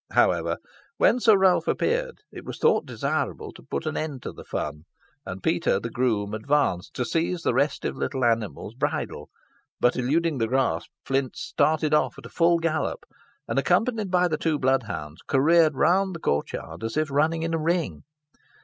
However, when Sir Ralph appeared, it was thought desirable to put an end to the fun; and Peter, the groom, advanced to seize the restive little animal's bridle, but, eluding the grasp, Flint started off at full gallop, and, accompanied by the two blood hounds, careered round the court yard, as if running in a ring.